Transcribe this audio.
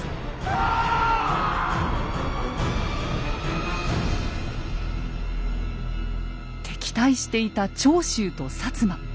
あぁっ！敵対していた長州と摩。